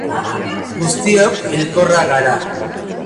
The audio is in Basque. Guztiok hilkorrak gara.